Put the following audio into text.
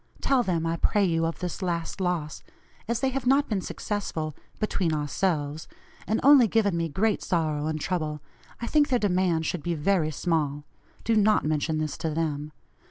Tell them, I pray you, of this last loss. As they have not been successful (BETWEEN OURSELVES), and only given me great sorrow and trouble, I think their demand should be very small. (Do not mention this to them.)